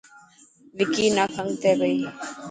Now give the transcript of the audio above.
وڪي نا کنگ ٿي پئي .